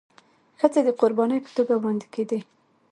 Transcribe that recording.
ښځي د قرباني په توګه وړاندي کيدي.